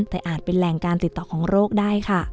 แต่อาจเป็นแหล่งการติดต่อของโรคได้ค่ะ